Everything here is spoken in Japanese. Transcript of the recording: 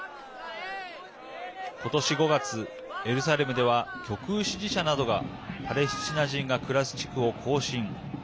今年５月、エルサレムでは極右支持者などがパレスチナ人が暮らす地区を行進。